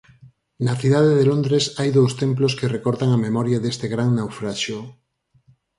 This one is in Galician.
Na cidade de Londres hai dous templos que recordan a memoria deste gran naufraxio.